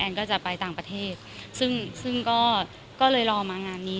ก็จะไปต่างประเทศซึ่งซึ่งก็เลยรอมางานนี้